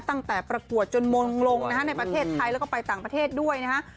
ประกวดจนมงลงนะฮะในประเทศไทยแล้วก็ไปต่างประเทศด้วยนะฮะ